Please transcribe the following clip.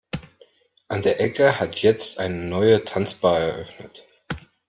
An der Ecke hat jetzt eine neue Tanzbar eröffnet.